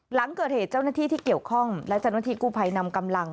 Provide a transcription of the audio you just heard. หลังเกิดเหตุเจ้าหน้าที่ที่เกี่ยวข้องและเจ้าหน้าที่กู้ภัยนำกำลัง